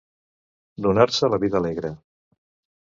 Donar-se a la vida alegre.